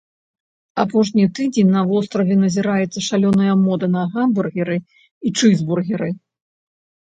Апошні тыдзень на востраве назіраецца шалёная мода на гамбургеры і чызбургеры.